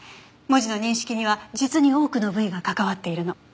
文字の認識には実に多くの部位が関わっているの。